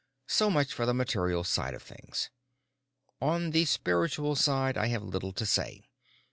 So much for the material side of things. On the spiritual side, I have little to say.